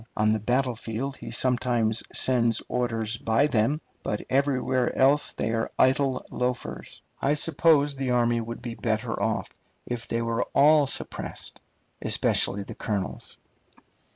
On the battlefield he sometimes sends orders by them, but everywhere else they are idle loafers. I suppose the army would be better off if they were all suppressed, especially the colonels.